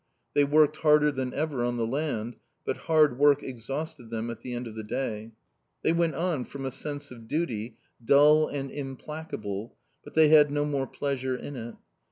They worked harder than ever on the land; but hard work exhausted them at the end of the day. They went on from a sense of duty, dull and implacable, but they had no more pleasure in it.